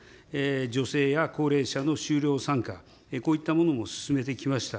女性や高齢者の就労参加、こういったものも進めてきました。